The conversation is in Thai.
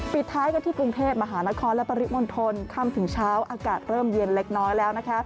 ปิดท้ายกันที่กรุงเทพมหานครและปริมณฑลค่ำถึงเช้าอากาศเริ่มเย็นเล็กน้อยแล้วนะคะ